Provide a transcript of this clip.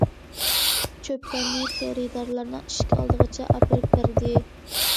چۆپلەرنى خېرىدارلارنىڭ ئىشىك ئالدىغىچە ئاپىرىپ بەردى.